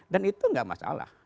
dan itu tidak masalah